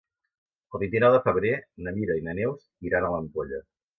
El vint-i-nou de febrer na Mira i na Neus iran a l'Ampolla.